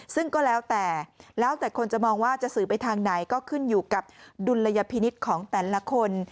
ซึ่งก็แล้วแต่แล้วแต่คนจะมองว่าจะสื่อไปทางไหนก็ขึ้นอยู่กับดุลยพินิษฐ์ของแต่ละคน